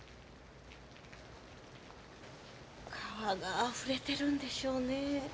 川があふれてるんでしょうね。